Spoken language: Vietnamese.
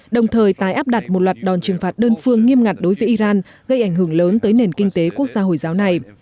đồng thời tái áp đặt một loạt đòn trừng phạt đơn phương nghiêm ngặt đối với iran gây ảnh hưởng lớn tới nền kinh tế quốc gia hồi giáo này